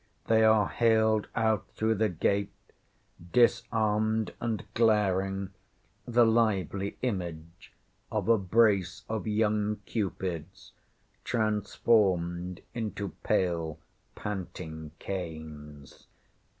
They are haled out through the gate, disarmed and glaring the lively image of a brace of young Cupids transformed into pale, panting Cains.